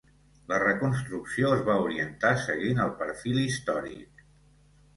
La reconstrucció es va orientar seguint el perfil històric.